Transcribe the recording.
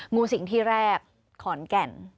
งูสิงที่แรกขอนแก่น